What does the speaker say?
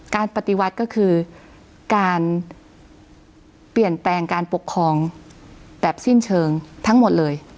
การปฏิวัติก็คือการเปลี่ยนแปลงการปกครองแบบสิ้นเชิงทั้งหมดเลย